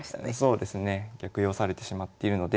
逆用されてしまっているので。